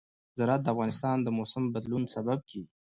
زراعت د افغانستان د موسم د بدلون سبب کېږي.